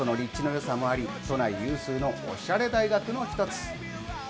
その立地のよさもあり、都内有数のおしゃれ大学の一つ。